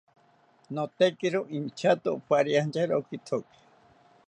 Notekiro inchato opariantyari okithoki